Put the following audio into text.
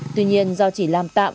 tuy nhiên do chỉ làm tạm